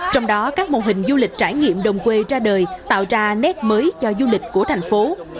trong đó các mô hình du lịch trải nghiệm đồng quê ra đời tạo ra nét mới cho du lịch của thành phố